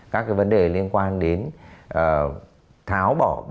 các cái vấn đề liên quan đến tháo bỏ